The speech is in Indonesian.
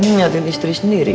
kan ngeliatin istri sendiri